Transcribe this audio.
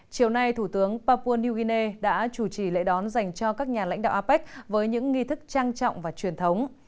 chiều nay thủ tướng papua new guinea đã chủ trì lễ đón dành cho các nhà lãnh đạo apec với những nghi thức trang trọng và truyền thống